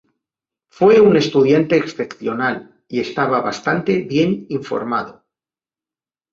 Fue un estudiante excepcional y estaba bastante bien informado.